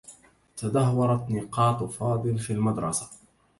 تدهورت نقاط فاضل في المدرسة.